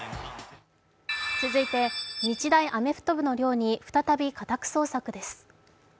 続いて日大アメフト部の寮に再び家宅捜索です。